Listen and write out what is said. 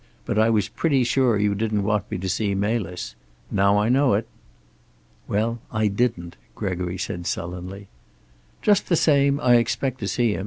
"But I was pretty sure you didn't want me to see Melis. Now I know it." "Well, I didn't," Gregory said sullenly. "Just the same, I expect to see him.